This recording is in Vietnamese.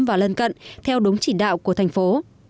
và lân cận theo đúng chỉ đạo của thành phố